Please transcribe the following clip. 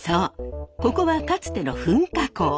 そうここはかつての噴火口。